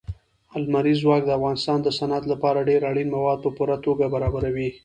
لمریز ځواک د افغانستان د صنعت لپاره ډېر اړین مواد په پوره توګه برابروي.